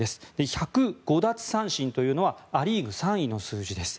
１０５奪三振というのはア・リーグ３位の数字です。